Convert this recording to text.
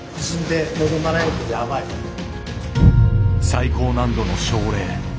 最高難度の症例。